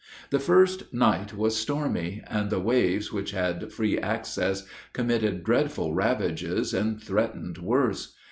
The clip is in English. The first night was stormy; and the waves, which had free access, committed dreadful ravages, and threatened worse.